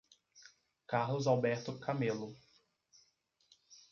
Carlos Alberto Camelo